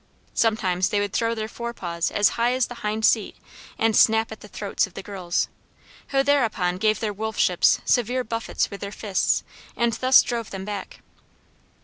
Sometimes they would throw their forepaws as high as the hind seat, and snap at the throats of the girls, who thereupon gave their wolfships severe buffets with their fists and thus drove them back.